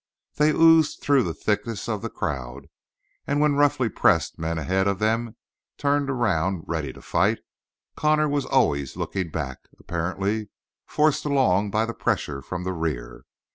They oozed through the thickest of the crowd, and when roughly pressed men ahead of them turned around, ready to fight, Connor was always looking back, apparently forced along by the pressure from the rear.